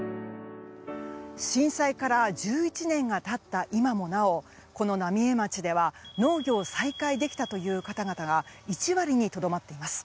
震災から１１年が経った今もなお、この浪江町では農業を再開できたという方々が１割にとどまっています。